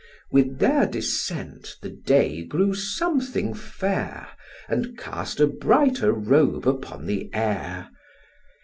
With their descent the day grew something fair, And cast a brighter robe upon the air.